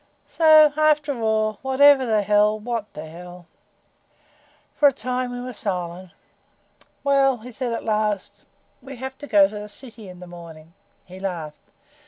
So, after all, whatEVER the hell, WHAT the hell." For a time we were silent. "Well," he said at last, "we have to go to the city in the morning." He laughed.